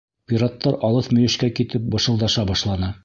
Пираттар алыҫ мөйөшкә китеп бышылдаша башланы.